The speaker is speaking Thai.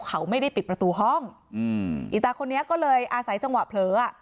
เขาไม่ได้ปิดประตูห้องอืมอีตาคนนี้ก็เลยอาศัยจังหวะเผลออ่ะ